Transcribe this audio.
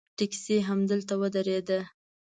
ټیکسي همدلته ودرېده.